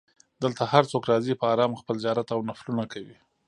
دلته هر څوک راځي په ارامه خپل زیارت او نفلونه کوي.